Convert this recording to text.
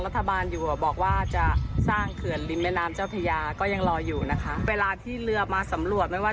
เพราะถ้าเรือดวนปลาหรือเรือทหารหรือตำรวจมาดู